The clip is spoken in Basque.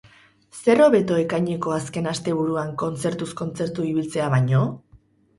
Zer hobeto ekaineko azken asteburuan kontzertuz kontzertu ibiltzea baino?